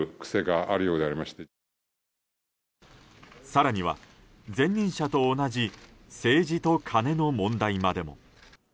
更には前任者と同じ政治とカネの問題までも。